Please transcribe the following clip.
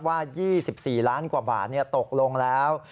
ว่า๒๔ล้านกว่าบาทตกลงแล้ว